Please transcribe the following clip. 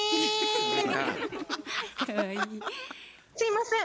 すいません。